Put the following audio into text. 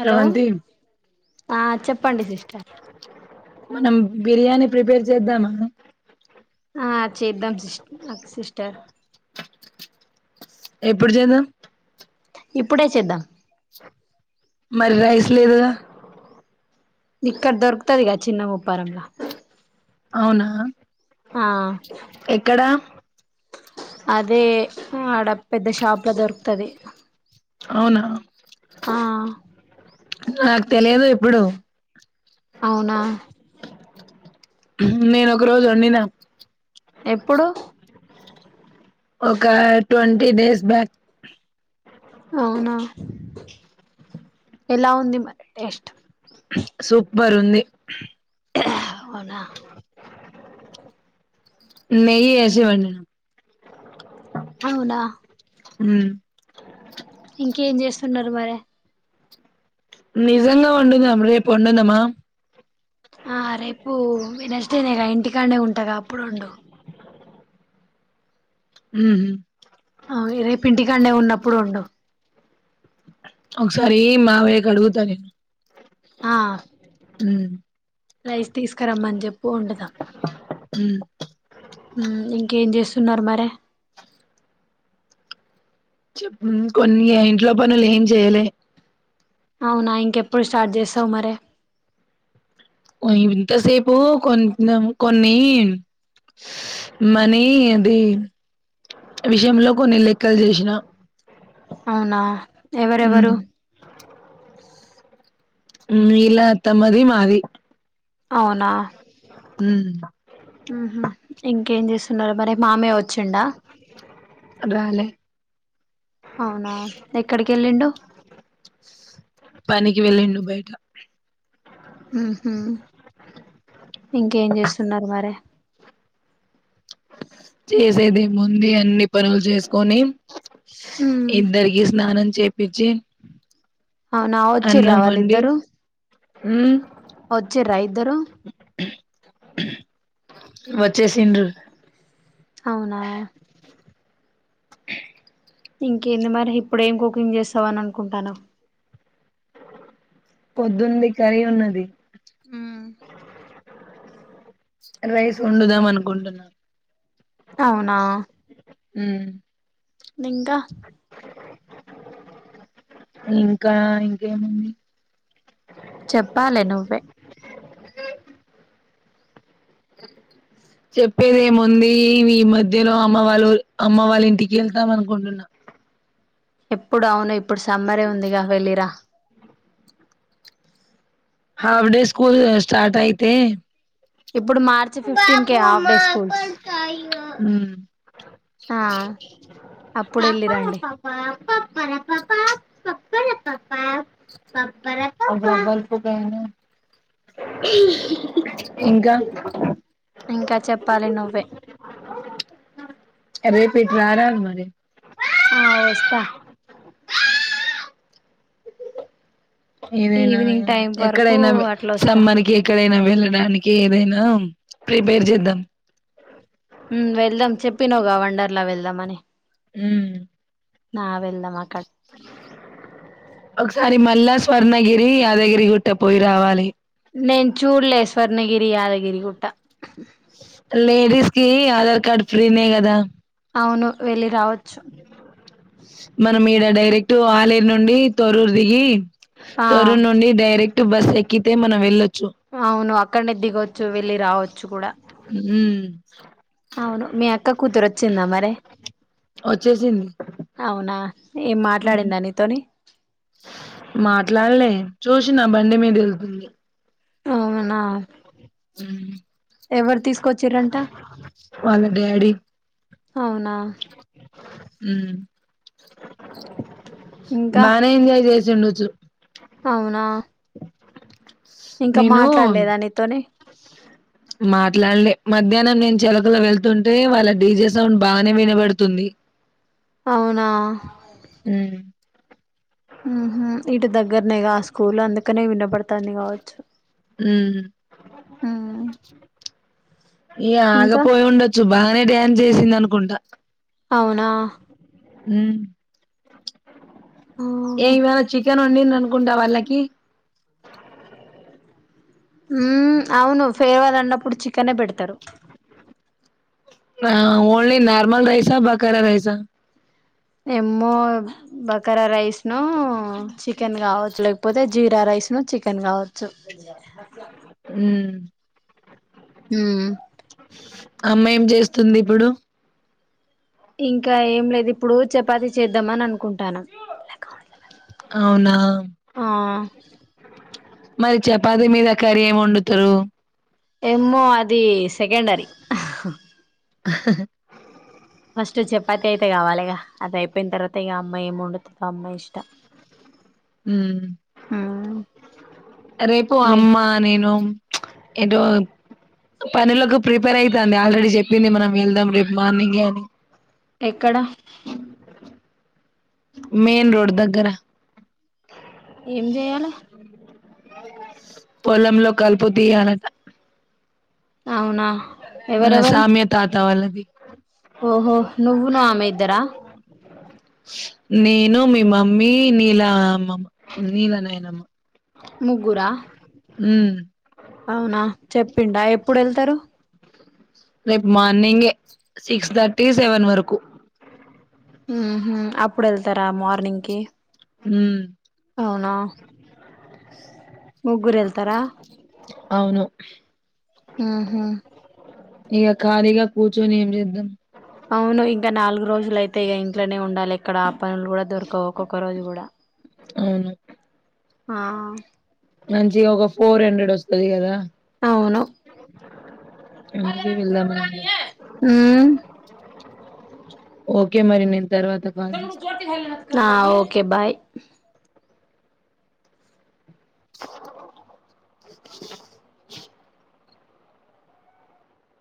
hello ఆ చెప్పండి sister మనం బిర్యానీ ప్రిపేర్ చేద్దామా ఆ చేద్దాం సిస్ సిస్టర్ ఎప్పుడు చేద్దాం ఇప్పుడే చేద్దాం మరి రైస్ లేదు ఇక్కడ దొరుకుతదిగా చిన్న ముప్పారంలో అవునా ఆ ఎక్కడా అదే ఆడ పెద్ద షాప్ లా దొరుకుతది అవునా ఆ ఆ తెలియదు ఎప్పుడు అవునా నేను ఒక రోజు వండిన ఎప్పుడు ఒక ట్వంటీ డేస్ బ్యాక్ అవునా ఎలా ఉంది మరి టేస్ట్ సూపర్ ఉంది అవునా అ నెయ్యి వేసి వండిన అవునా హ్మ్ ఇంకేం చేస్తున్నారు మరి నిజంగా వండినం రేపు వండుదామా ఆ రేపు వెనర్స్డేనే ఇంటికానే ఉంటగా అప్పుడు వండు హ్మ్ హు ఆహ్ రేపు ఇంటికాన్నే ఉన్నప్పుడు వండు ఒకసారి మామయ్యకి అడుగుతా నేను ఆ హ్మ్ రైస్ తీసుకురమ్మని చెప్పు వండుదాం మ్మ్ ఇంకేం చేస్ త్తున్నారు మరి చెప్ కొన్ని ఇంట్లో పనులు ఏం చెయలే అవునా ఇంకెప్పుడు స్టార్ట్ చేస్తావ్ మరే మ్మ్ ఇంతసేపు కొన్ కొన్ని మనీ అది విషయంలో కొన్ని లెక్కలు చేసిన అవునా ఎవరెవరు ఉమ్ హ్మ్ ఇలా తమ్మది మాది అవునా హ్మ్ మ్మ్ మ్మ్ ఇంకేం చేస్తున్నారు మరి మామయ్య వచ్చిండా రాలే అవునా ఎక్కడికి వెళ్ళిండు పనికి వెళ్ళిండు బయట మ్మ్ మ్మ్ ఇంకేం చేస్తున్నారు మరే చేసేదేముంది అన్ని పనులు చేసుకొని ఉమ్ ఇద్దరికి స్నానం చె పిచి అవునా వచ్చిడ్రా వాళ్ళిద్దరూ హ్మ్ వచ్చిర్రా ఇద్దరు వచ్చేసిండ్రు అవునా ఇంకేంది మరి ఇప్పుడేం కుకింగ్ చేస్తావ్ అని అనుకుంటానవ్ ద్దుంది కర్రీ ఉన్నది హ్మ్ రైస్ వండుదాం అనుకుంటున్నా అవునా హ్మ్ నింకా ఇంకా ఇంకేముంది చెప్పాలి నువ్వే చెప్పేదేముంది ఈ మధ్యలో అమ్మ వాళ్ళు అమ్మ వాళ్ళ ఇంటికి వెళ్తాం అనుకుంటున్నా ఎప్పుడు అవును ఇప్పుడు సమ్మరే ఉందిగా వెళ్లిరా హాఫ్ డే స్కూల్ స్టార్ట్ అయితే ఇప్పుడు మార్చి ఫిఫ్టీన్ కే హాఫ్ డే స్కూల్స్ హ్మ్ ఆ అప్పుడు పప్పా వెళ్ళిరండి పప్పా పప్ పర ప్రపా గల్పునా ఇంకా ఇంకా చెప్పాలి నువ్వే అదే పెట్నర మరి ఆ వస్తా ఏదైనా ఈవినింగ్ మ్మ్ టైం వరకు ఎక్కడైనా అట్లా వస్తా సమ్మానికి ఎక్కడైనా వెళ్ళడానికి ఏదైనా ప్రిపేర్ చేద్దాం మ్మ్ వెళ్దాం చెప్పినాగా వండర్లా వెళ్దాం ధమనే మ్మ్ నా వెలమా కట్ట ఒకసారి మళ్ళా స్వర్ణగిరి యాదగిరి గుట్ట పోయి రావాలి నేన్ చూడలే స్వర్ణగిరి యాదగిరి కుట్ట లేడీస్ కి ఆధార్ కార్డ్ ఫ్రీనే కదా అవును వెళ్ళి రావచ్చు మనం ఈడ డైరెక్ట్ ఆలేరు నుండి తోరూరు దిగి ఆ తోరురు నుండి డైరెక్ట్ తే బస్ ఎక్కితే మనం వెళ్ళొ అవును అక్కడనే దిగవచ్చు వెళ్ళి రావచ్చు కూడా మ్మ్ అవును మీ అక్క కూతురు వచ్చిందా మరి వచ్చేసింది అవునా ఏం మ్మ్ మాట్లాడిందా నీతోని మాట్లాడలే చూసిన బండి మీద వెళ్తుంది అవునా మ్మ్ ఎవరు తీసుకొచ్చిరంట వాళ్ళ డాడీ అవునా మ్మ్ ఇంకా బానే ఎంజాయ్ చేస్ జున్నుచు అవునా ఇంకా నేను మాట్లాడలేదా నీతోని మాట్లాడలే మధ్యాహ్నం నేను చెలకలో వెళ్తుంటే వాళ్ళ డీ జే సౌండ్ బానే వినబడుతుంది అవునా మ్మ్ హ్మ్ హు ఇటు దగ్గరనే కా స్కూల్ అందుకనే వినబడతాంది కావచ్చు హ్మ్ ఈయ ఆగా ఇంకా పోయ ఉండచ్చు బా బానే డ్యాన్స్ చేసింది అనుకుంటా అవునా మ్మ్ ఏం కావలె చికెన్ వండిడ్రను గుండా వాళ్ళకి ఉ అవును ఫైర్వాల్ అన్నప్పుడు చికెనే పెడతారు ఓన్లీ నార్మల్ రైసా బకారా రైసా ఎమ్మో బకారా రైస్ న చ చికెన్ కావచ్చు లేకపోతే జీరా రైస్ ను చికెన్ కావచ్చు ఉ హ అమ్మా ఏం చేస్తుంది ఇప్పుడు ఇంకా ఏం లేదు ఇప్పుడు చపాతి చేద్దాంమ అని అనుకుంటాను అవునా ఆ మరి చపాతి మీద కర్రీ ఏమి వండుతరు ఎమో అది సెకండరి ఫస్ట్ చపాతి అయితే కావాలిక అది అయిపోయిన తర్వాత ఇక అమ్మాయి ఏం వండుతుందో అమ్మాయి ఇష్టం రేపు మీ అమ్మా నేను ఏంటో పనులకు ప్రిపేర్ అయితంంది ఆల్రెడీ చెప్పింది మనం వెళ్దాం రేపు మార్నింగే అని ఎక్కడ మెన్ రోడ్ దగ్గర ఎంజయాల పొలంలో కలుపుత అనట అవునా మన సామ్య తా కావాలది ఓహా నువ్వును ఆమెద్దార నేను మీ మమ్మీ నీల అమ్మమ్మ నీల నాయనమ్మ ముగ్గురా ఉ అవునా చెప్పిడా ఎప్పుడు వెళ్తారు రేపు మార్నింగ్ సిక్స్ థర్టీ సెవెన్ వరకు అప్పుడు వెళ్తారా మార్నింగ్ కి హ అవునా ముగ్గురు వెళ్తారా అవును ఆహా ఇక ఖాలీగా కూచునిమ్ జద్దం అవును ఇంకా నాలుగు రోజులు అయితే ఇక ఇంట్లోనే ఉండాలి ఇక్కడ పనులు కూడా దొరకవు ఒక్కొక్క రోజు కూడా అవును ఆ మంచి ఒక ఫోర్ హండ్రెడ్ వస్తుది కదా అవును అందుకే వెళ్దామనండి ఉమ్ ఓకే మరి నేన్ యా ఓకే బాయ్